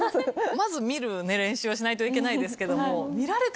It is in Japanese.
まず見る練習をしないといけないですけども。